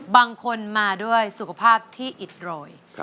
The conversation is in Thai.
บางคนมาด้วยสุขภาพที่อิดโรย